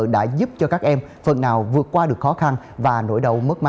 đã giúp cho các em phần nào vượt qua được khó khăn và nỗi đau mất mát